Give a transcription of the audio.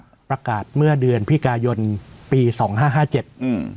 ประกาศเมื่อเดือนพิกายนปีสองห้าห้าเจ็ดอืม